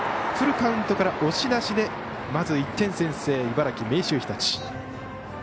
フルカウントから押し出しでまず１点先制、茨城、明秀日立。